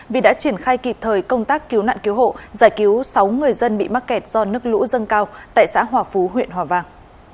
vì đã triển khai kịp thời công tác cứu nạn cứu hộ giải cứu sáu người dân bị mắc kẹt do nước lũ dâng cao tại xã hòa phú huyện hòa vang